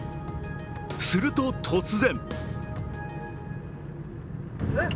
すると突然。